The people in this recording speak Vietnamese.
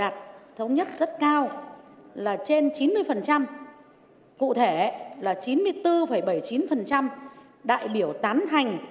đạt thống nhất rất cao là trên chín mươi cụ thể là chín mươi bốn bảy mươi chín đại biểu tán thành